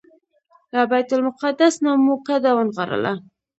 له بیت المقدس نه مو کډه ونغاړله.